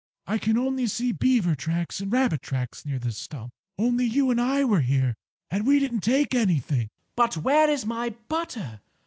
I can only see beaver tracks and rabbit tracks near the stump. Only you and I were here and we didn't take anything." "But where is my butter?"